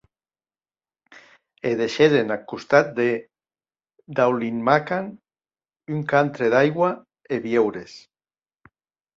E deishèren ath costat de Daul’makan, un cantre d’aigua e viures.